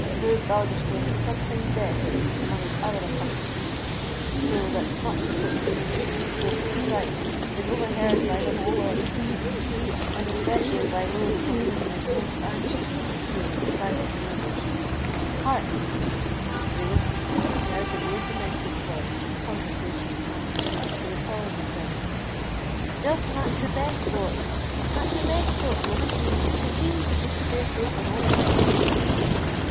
Poor Balderstone is something deaf, amongst his other accomplishments, so that much of what he means should be spoken aside is overheard by the whole audience, and especially by those from whom he is most anxious to conceal his private manœuvres. Hark!" They listened, and heard the old domestic's voice in conversation with Mysie to the following effect: "Just mak the best o't—make the besto't, woman; it's easy to put a fair face on ony thing."